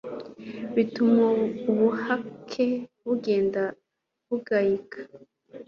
bituma ubuhake bugenda bugayika